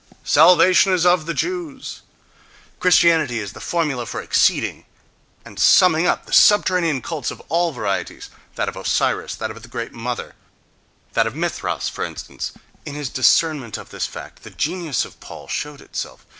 "Salvation is of the Jews."—Christianity is the formula for exceeding and summing up the subterranean cults of all varieties, that of Osiris, that of the Great Mother, that of Mithras, for instance: in his discernment of this fact the genius of Paul showed itself.